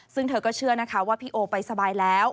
ซึ่งเธอก็เชื่อนะคะว่าพี่โอไปสบายแล้ว